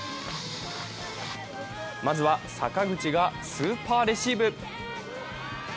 まずは坂口がスーパーレシーブ。